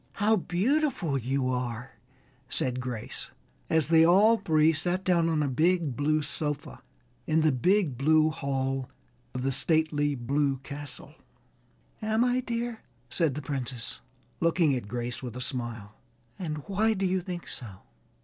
"How beautiful you are," said Grace as they all three sat down on a big blue sofa in the big blue hall of the stately blue castle. "Am I, dear?" said the Princess, looking at Grace with a smile, "and why do you think so?"